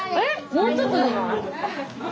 もうちょっとじゃない？